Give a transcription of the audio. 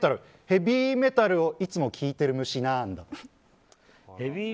ヘビーメタルをいつも聴いている虫、何だ？